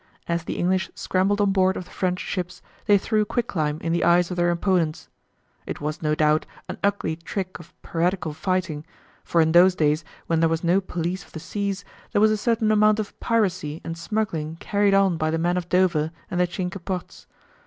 As the English scrambled on board of the French ships they threw quicklime in the eyes of their opponents. It was, no doubt, an ugly trick of piratical fighting, for in those days when there was no police of the seas there was a certain amount of piracy and smuggling carried on by the men of Dover and the Cinque Ports.